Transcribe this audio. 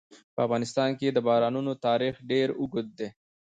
په افغانستان کې د بارانونو تاریخ ډېر اوږد دی.